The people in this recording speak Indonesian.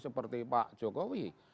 seperti pak jokowi